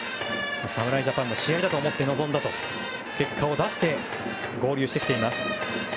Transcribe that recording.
侍ジャパンの試合だと思って臨んだと結果を出して合流してきています。